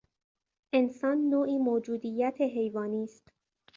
انسان نوعی موجودیت حیوانی است.